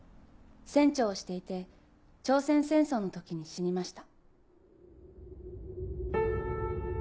船長をしていて朝鮮戦争の時に死にました。